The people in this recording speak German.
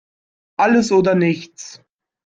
Alles oder nichts!